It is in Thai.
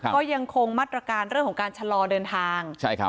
ก็ยังคงมาตรการเรื่องของการชะลอเดินทาง